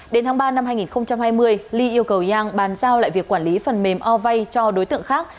đến tháng ba năm hai nghìn hai mươi ly yêu cầu yang bàn giao lại việc quản lý phần mềm ovay cho đối tượng khác